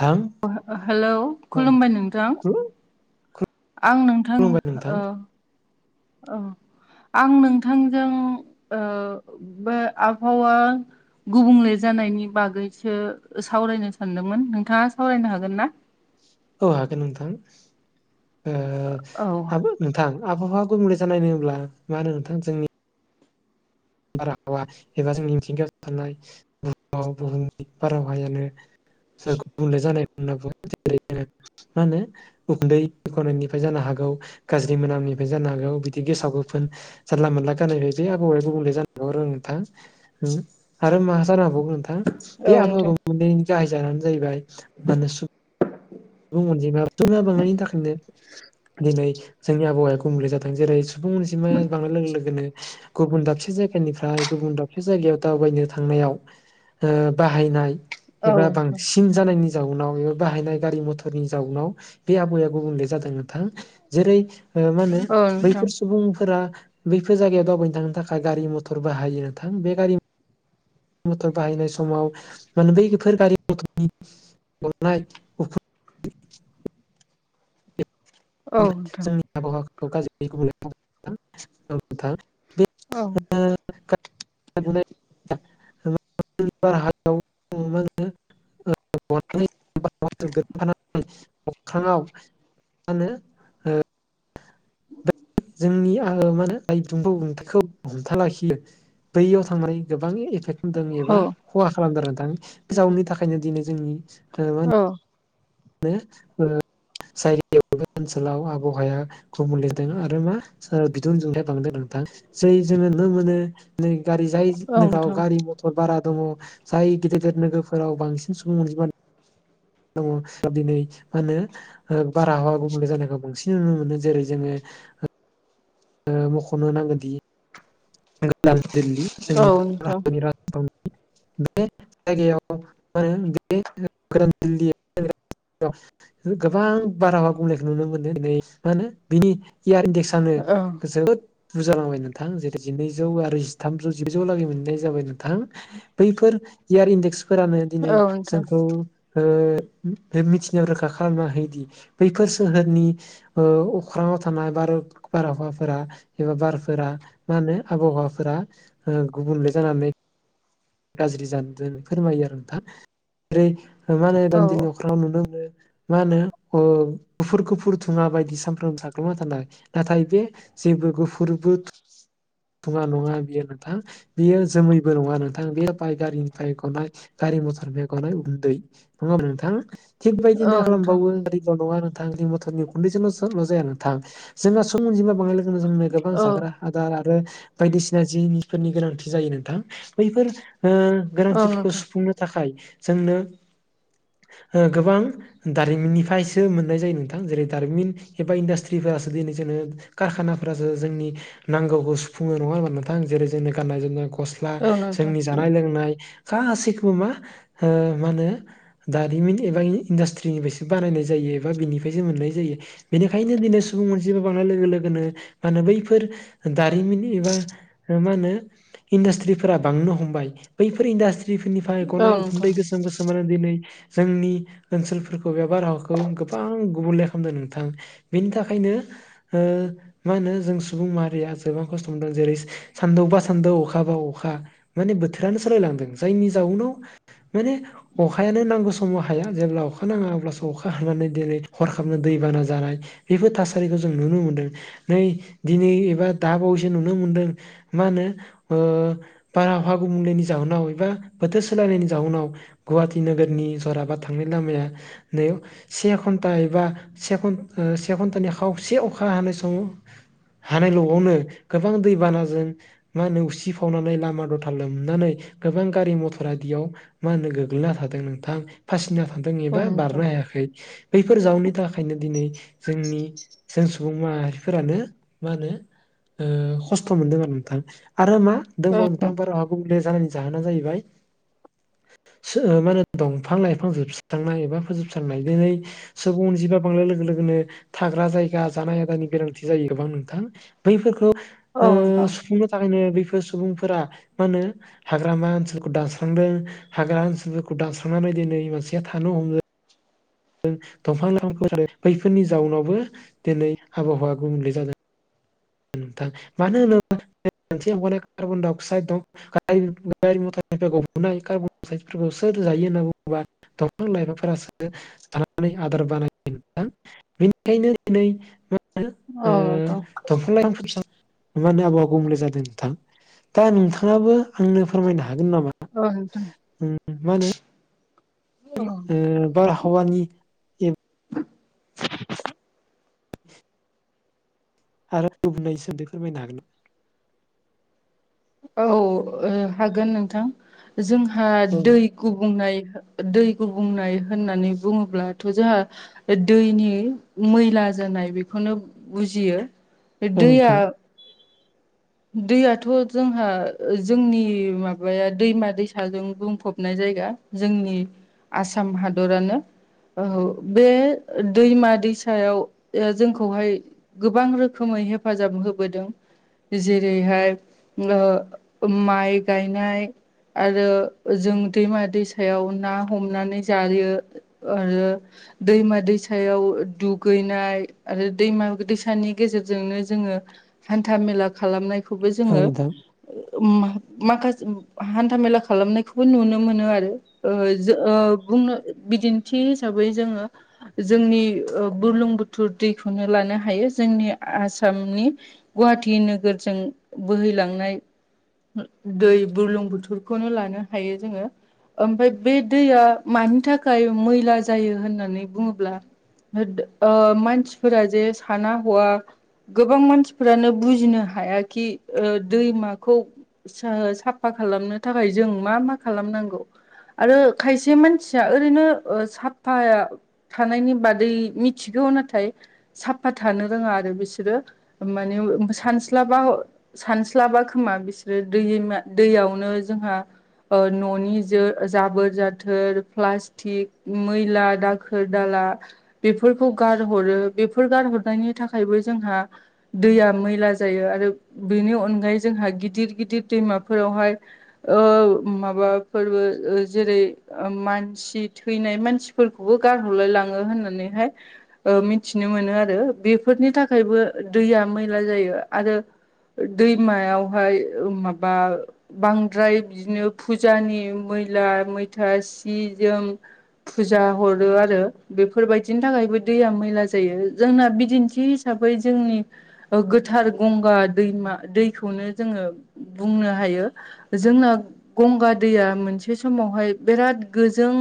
थां [unintelligible] हेलौ औ खुलुमबाय नोंथां। आं नोंथां खुलुमबाय नोंथां औ औ। आं नोंथांजों ओ-बो आबहावा। गुबुंले जानायनि बागैसो सावरायनो सानदोंमोन नोंथाङा सावरायनो हागोन ना? औ हागोन नोंथां औ ओ-हाबो नोंथां आबहावा गुबुंले होनोब्ला मा होनो नोंथां जोंनि। बारहावा एबा जोंनि मिथिंगायाव थानायुहाव बुहुमनि बारहावायानो गुबुंले जानाय जानायना मा होनो। उखुन्दै गनायनिफ्राय जानो हागौ गाज्रि मोनामनिफ्राय जानो हागौ बिदि गेसाव गोफोन जानला मोनला गानायै बे आबौाय गुबुंले जानो। र नोंथां आरो मा जानो हागौ नोंथा औ बे नोंथां आबहावाखौे गाहाय जाहोनानो जाहैबाया मान गुबुं अनजिमा बांनायनि थाखायनो दिनै जोंनि आबहावाया गुबुंले जादों जेरै सुबुं अनसिमा बांनाय लोगो लोगोनो। गुबुन दाबसे जायगानिफ्राय गुबुन दाबसे जायगायाव दावबायनो थांनायाव ओ बाहायनाय औ एबा नोंथां बांसिन जानायनि जाउनाव एबा बाहायनाय गारि मथ फोरनि जाउनाव बे आबहावया गुबुंले जादों नोंथां जेरै मा होनो औ नोंथां बैफोर सुबुंफोरा बैफोर जायगायाव दावबायनो थांनो थाखाय गारि मथर बाहायो नोंथां बे गारि मथर बाहायनाय समाव माने बैफोर गारि मथरनि गनाय औ नोंथां जोंनि आबहावाखौ गाज्रि गुब औ नोंथा बे। औ [unintelligible] अख्राङाव। आनो। जोंनि आ मा होनो आइ दुंफखौ हमथाना लाखियो। बैयाव थांनानै गोबां एफेक्ट। दों एबा औ खहा खालामदों बि जाउनि थाखायनो दिनै जोंनि ओ। अ। बे [unintelligible] आबहावाया गम लिरदों आरो मा बिदुनजोंहाय बांदाय नोंथां जै जोङो नु मोनो नों गारि जायो नों ग नोंथां औ नोंथां गारि मथर बारा दङ जाय गेदिर गिदिर नोगोरफोराव बांसिन सुबुं अनजिमा नु दङ दिनै मा होनो बारहावा गुबुंले जानायखौ बांसिन नुनो मोन जेरै जोङो। ओ-मखनो नांगौदि। दिल्ली औ नोंथां औ जोंनि भतनि बे जायगायाव आरो बेल। गोबां बारहावा बुंनायखौ नुनो मोनो नै मा होनो बिनि इयार इडेक्स। नो जोबोद बुजालांबाय नोंथां। जिनैजौ आरो जिथामजौआलागै मोननाय जाबाय नोंथां बैफोर इयार इडेक्स। फोरानो दिनै नोंथां जोंखौ। ओ बे मिथिनायाव रोखा खालाम हैयोदि बैफोर सोहोरनि। ओ अख्राङाव थानाय बार-बारहावाफोरा एबा बारफोरा। मा होनो आबहावाफोरा ओ गुबुंले जानानै। गाज्रि जानो होननानै फोरमायो आरो नोंथां जेरै मा होनो दान्दिलि अख्राङाव नुनो मोनो। मा होनो ओ गुफुर- गुफुर धुङा बायदि सामफ्रोम साग्लोबना थानाय नाथाय बे। जेबो गुफुरबो। धुङा नङा बियो नोंथां। बेयो जोमैबो नङा नोंथां बे बाय गारिनिफ्राय गनाय गारि मथरनिफ्राय गनाय उन्दै। नंगौ नोंथां थिग बेबायदिनो खालामबावो जायगायावनो नङा नों। गारि-मथरनि उखुन्दैजोंल' जाया नोंथां जोंहा सुबुं अनजिमा बांनाय लोगोनो जोंनो गोबां जाग्रा। आदार आरो बायदिसिना जिनिसफोरनि गोनांथि जायो नोंथां बैफोर ओ। गोनांथिफोरखौ सुफुंनो थाखाय जोंनो ओ गोबां। दारिमिननिफ्रायसो मोननाय जायो नोंथां जेरै दारिमिन एबा इन्डासट्रिफोरासो दिनै जोंनो। कारखानाफोरासो जोंनि नांगौखौ सु। सुफुङो नङा होमबा नोंथां? जेरै जोंनि गाननाय- जोमनाय, गस्ला औ नोंथां औ नोंथां जोंनि जानाय-लोंनाय। गासैखौबो मा? ओ मा होनो? दारिमिन एबा इन्डास्ट्रिनिफ्रायसो बानायनाय जायो एबा बिनिफ्रायसो मोननाय जायो। बेनिखायनो दिनै सुबुं अनजिबो बांनाय लोगो-लोगोनो मा होनो बैफोर दानि। मिन एबा मा होनो इन्डास्त्रिफोरा बांनो हमबाय बैफोर इन्डास्त्रि। निफोरनिफ्राय औ नोंथां औ गनाय उखुन्दै नोंथां गोसोम- गोसोमानो दिनै जोंनि ओनसोलफोर। बबे बारहावाखौ गोबां गुबुंले खा। नोंथां बेनि थाखायनो ओ मा होनो जों सुबुं माहारिया। गोबां खस्थ' मोन्दों जेरै। सानदौबा सानदौ अखा बा अखा माने बोथोरानो सोलायलांदों जायनि जाउनाव। माने। अखायानो नांगौ समाव हाया जेब्ला अखा नाङा अब्लासो अखा हानानै दिनै हरखाबनो दैबाना जानाय। बेफोर थासारिखौ जों नुनो मोनदों नै दिनै एबा। दाबावैसो नुनो मोनदों मा होनो? ओ बारहावा गुबुंलेनि जाहोनाव एबा बोथोर सोलायनायनि जाउनाव। गुवाटि नोगोरनि जराबात थांनाय लामाया नै। से घन्टा एबा से घ ओ से घन्टानि खावसे अखा हानाय समो हानायल'आवनो गोबां दैबानाजों मा होनो उसिफावनानै लामा दथा लोमनानै गोबां गारि मथरा बियाव मा होनो गोग्लैना थादों नोंथां फासिना थादों एबा बारनो हायाखै। बैफोर जाउननि थाखायनो दिनै जोंनि जों सुबुं माहारिफोरानो मा होनो ओ खस्थ' मोनदों आरो नोंथां आरो मा दंबावो औ नोंथां बारहावा गुबुंले जानायनि जाहोना जाहैबाय सो मा होनो दंफां लाइफां जोबस्रांनाय एबा फोजोबस्रांनाय दोनै सुबुं अनजिबा बांनायाय लोगो-लोगोनो थाग्रा जायगा जानाय आदारनि गोनांथि जायो गोबां नोंथां। बैफोरखौ औ ओ नोंथां सुफुंनो थाखायनो बैफोर सुबुंफोरा मा होनो? हाग्रामा ओनसोलखौ दानास्रांदों हाग्रा ओनसोलफोरखौ दानास्रांनानै दिनै मानसिया थानो हमदों। दंफां-लाइफांखौ बैफोरनि जाउनावबो दिनै आबहावा गुबुंले जादों। नोंथां मानो होनोबा मोनसि हगारनाय कार्बन- डाइ -अक्साइद दं। गारि मतरनिफ्राय गबोनाय कार्बन-डाइ-अक्साइडफोरखौ सोर जायो होनना बुङोबा। दंफां-लाइफांफोरासो जानानै आदार बानायदों। बेनिखायनो दिनै [unintelligible] औ नोंथां ओ [unintelligible] आबहावा गमले जादों नोंथां। दा नोंथाङाबो आंनो फोरमायनो हागोन नामा? अ [unintelligible] मा होनो ओ बारहावानि आरो [unintelligible] फोरमायनो हागोन औ ओ हागोन नोंथां जोंहा औ दै गुबुंनाय दै गुबुंनाय होननानै बुङोब्लाथ' जाहा बे दैनि मैला जानाय बेखौनो बुजियो बे औ दैया नोंथां दैयाथ' जोंहा जोंनि माबाया दैमा दैसाजों बुंफबनाय जायगा जोंनि आसाम हादरानो। औ बे दैमा दैसायाव जोंखौहाय गोबां रोखोमै हेफाजाब होबोदों। जेरैहाय ओ माइ गायनाय। आरो जों दैमा दैसायाव ना हमनानै जायो। आरो दैमा दैसायाव दुगैनाय आरो दैमा दैसानि गेजेरजोंनो जोङो हान्था मेला खालामनायखौबो औ जोङो नोंथां ओ मा-माखासे हान्थामेला खालामनायखौबो नुनो मोनो आरो ओ जो ओ बुंनो बिदिन्थि हिसाबै जोङो जोंनि ओ बुरलुं बुथुर दैखौनो लानो हायो जोंनि आसामनि गुवाहाटि नोगोरजों बोहैलांनाय दै बुरलुं बुथुरखौनो लानो हायो जोङो। ओमफ्राय बे दैया मानि थाखाय मैला जायो होननानै बुङोब्ला ओ मानसिफोरा जे साना हवा गोबां मानसिफोरानो बुजिनो हायााखि ओ दैमाखौ स-साफा खालामनो थाखाय जों मा मा खालामनांगौ आरो खायसे मानसिया ओरैनो ओ साफाया थानायनि बादै मिथिगौ नाथाय साफा थानो रोङा आरो बिसोरो माने सानस [unintelligible] सानस्लाबा खोमा बिसोरो दै दैयावनो जोंहा ओ न'नि जो जाबोर जाथोर प्लास्टिक मैला दाखोर [unintelligible] दाला बेफोरखौ गारहरो बेफोर गारहरनायनि थाखायबो जोंहा दैया मैला जायो आरो बेनि अनगायै जोंहा गिदिर गिदिर दैमाफोरावहाय ओ माबाफोरबो जेरै ओ मानस खुसि थैनाय मानसिफोरखौबो गारहरलाय लाङो होननानैहाय मिथिनो मोनो आरो बेफोरनि थाखायबो दैया मैला जायो आरो दैमायावहाय माबा बांद्राय बिदिनो फुजानि मैला मैथा सि जोम फुजा हरो आरो बेफोरबायदिनि थाखायबो दैया मैला जायो जोंना बिदिन्थि हिसाबै जोंनि गोथार गंगा दैमा दैखौनो जोङो बुंनो हायो जोंना गंगा दैया मोनसे समावहाय बिराद गोजों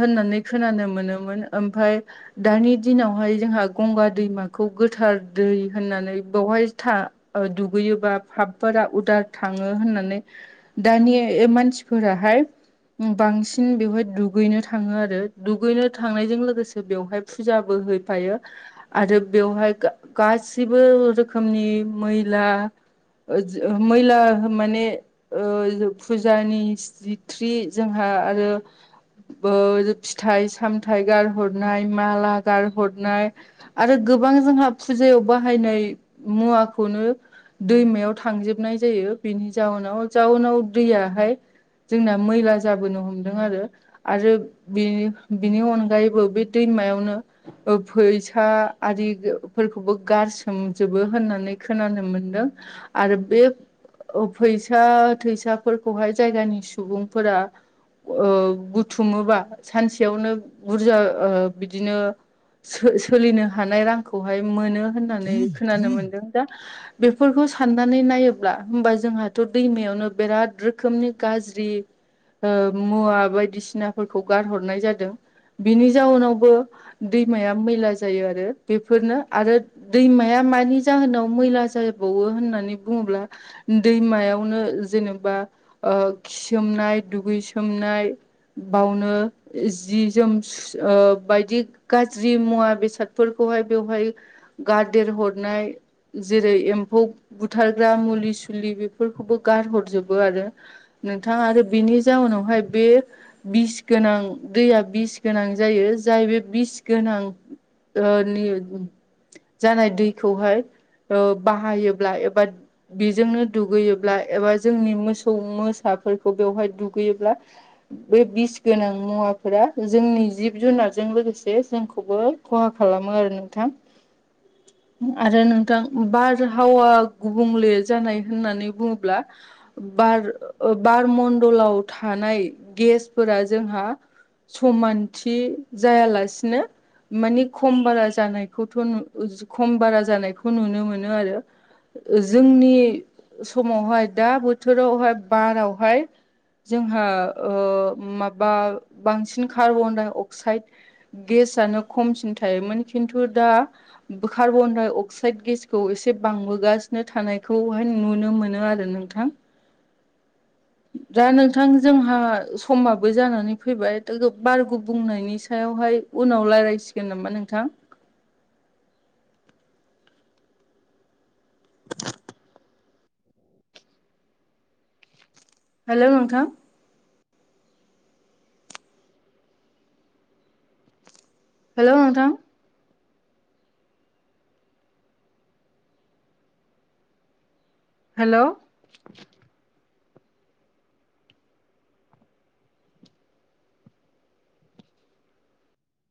होननानै खोनानो मोनोमोन ओमफ्राय दानि दिनावहाय जोंहा गंगा दैमाखौ गोथार दै होननानै बेवहाय था ओ दुगैयोबा पापफोरा उदार थाङो होननानै दानि ए मानसिफोराहाय बांसि [unintelligible] बेवहाय दुगैनो थाङो आरो दुगैनो थांनायजों लोगोसे बेवहाय फुजाबो हैफायो आरो बेवहाय गा-गासिबो रोखोमनि मैला ओ जो मैला माने ओ फुजानि सिथ्रि जोंहा आरो बो फिथाइ सामथायाइ गारहरनाय माला गारहरनाय आरो गोबां जोंहा फुजायाव बाहायनाय मुवाखौनो दैमायाव थांजोबनाय जायो बेनि जाउनाव जाउनाव दैयाहाय जोंना मैला जाबोनो हमदों आरो आरो बिनि बिनि अनगायैबो बे दैमायावनो फैसा आरि फोरखौबो गारसोम जोबो होननानै खोनानो मोनदों आरो बे फैसा थैसाफोरखौहाय जायगानि सुबुंफोरा बुथुमोबा सानसेयावनो बुरजा ओ बिदिनो सो-सोलिनो हानाय रांखौहाय मोनो होननानै खोनानो मोनदों दा बेफोरखौ साननानै नायोब्ला होमबा जोंहाथ' दैमायावनो बिराद रोखोमनि गाज्रि ओ मुवा बायदिसिनाफोरखौ गारहरनाय जादों बेनि जाउनावबो दैमाया मैला जायो आरो बेफोरनो आरो दैमाया दैमाया मानि जाहोनाव मैला जाबावो होननानै बुङोब्ला दैमायावनो जेनेबा ओ खिसोमनाय दुगैसोमनाय बावनो जि जोम ओ बायदि गाज्रि मुवा बेसादफोरखौहाय बेवहाय गा देर हरनाय जेरै एम्फौ बुथारग्रा मुलि सुलि बेफोरखौबो गारहरजोबो आरो नोंथाङा आरो बिनि जाउनावहाय बे बिस गोनां दैया बिस गोनां जायो जाय बे बिस गोनां ओ निल जानाय दैखौहाय ओ बाहायोब्ला एबा बेजोंनो दुगैयोब्ला एबा जोंनि मोसौ मोसाफोरखौ बेवहाय दुगैयोब्ला बे बिस गोनां मुवाफोरा जोंनि जिब जुनारजों लोगोसे जोंखौबो खहा खालामो आरो नोंथां आरो नोंथां बारहावा गुबुंले जानाय होननानै बुङोब्ला बार बारमणडलाव थानाय गेसफोरा जोंहा समानथि जायालासिनो मानि खम बारा जानायखौथ' नु खम बारा जानायखौ नुनो मोनो आरो जोंनि समावहाय दा बोथोरावहाय बारावहाय जोंहा ओ माबा बांसिन कार्बन डाइ अक्साइद गेस आनो खमसिन थायोमोन खिन्थु दा कार्बन डाइ अक्साइड गेसखौ एसे बांबोगासिनो थानायखौहाय नुनो मोनो आरो नोंथां। [inaudible] दा नोंथां जोंहा समाबो जानानै फैबाय दाथ बारखौ बुंनायनि सायावहाय उनाव रायज्लायसिगोन नामा नोंथां। [inaudible] हेल' नोंथां हेल' नोंथां हेलौ